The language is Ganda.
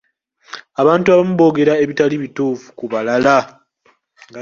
Abantu abamu boogera ebitali bituufu ku balala.